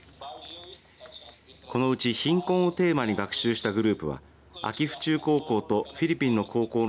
このうち貧困をテーマに学習したグループは安芸府中高校とフィリピンの高校の